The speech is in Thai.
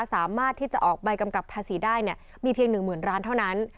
สามารถที่จะออกใบกำกับภาษีได้มีเพียง๑๐๐๐ล้านเท่านั้น